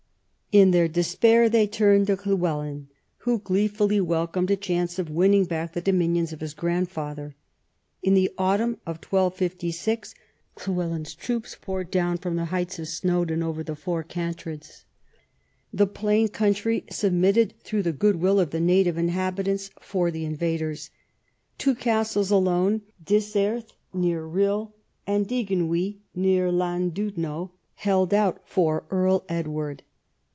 In their despair they turned to Lly welyn, who gleefully welcomed a chance of winning back the dominions of his grandfather. In the autumn of 1256 Llywelyn's troops poured down from the heights of Snowdon over the Four Cantreds. The plain country submitted through the goodwill of the native inhabit ants for the invaders. Two castles alone, Dyserth (near Rhyl) and Deganwy (near Llandudno), held out for Earl Edward.